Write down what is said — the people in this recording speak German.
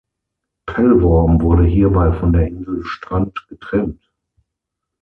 Pellworm wurde hierbei von der Insel Strand getrennt.